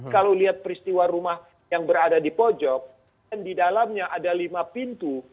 kalau lihat peristiwa rumah yang berada di pojok dan di dalamnya ada lima pintu